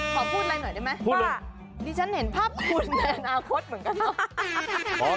ขอพูดอะไรหน่อยได้ไหมว่าดิฉันเห็นภาพคุณในอนาคตเหมือนกันเนอะ